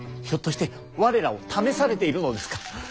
ひょっとして我らを試されているのですか？